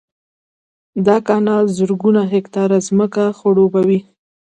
دا کانال زرګونه هکټاره ځمکه خړوبوي